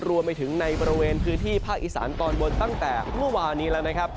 รวมไปถึงในบริเวณพื้นที่ภาคอีสานตอนบนตั้งแต่เมื่อวานนี้แล้วนะครับ